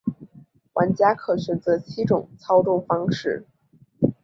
玩家可选择七种操纵方式。